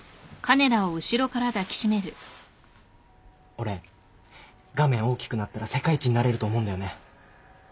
俺画面大きくなったら世界一になれると思うんだよね。